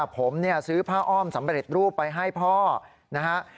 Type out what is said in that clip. ผมซื้อผ้าอ้อมสำเร็จรูปไปให้พ่อนะครับ